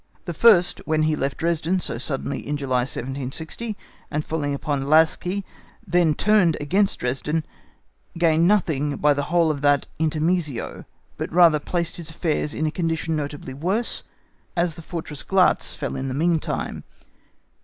The first when he left Dresden so suddenly in July 1760, and falling upon Lascy, then turned against Dresden, gained nothing by the whole of that intermezzo, but rather placed his affairs in a condition notably worse, as the fortress Glatz fell in the meantime.